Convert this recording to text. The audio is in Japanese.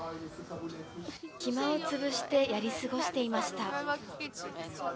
暇をつぶしてやり過ごしていました。